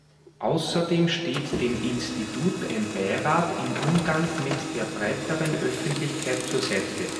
Außerdem steht dem Institut ein Beirat im Umgang mit der breiteren Öffentlichkeit zur Seite.